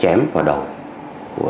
chém vào đầu